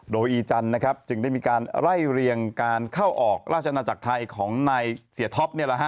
โดยอีจันทร์จึงได้มีการไล่เรียงการเข้าออกราชนาจักรไทยของนายเสียท็อป